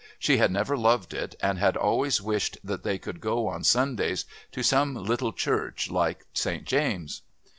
She had never loved it, and had always wished that they could go on Sundays to some little church like St. James'.